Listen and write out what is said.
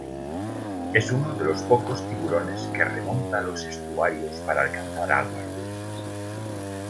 Es uno de los pocos tiburones que remonta los estuarios para alcanzar aguas dulces.